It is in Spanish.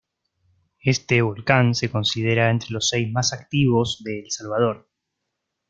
Este volcán se considera entre los seis más activos de El Salvador.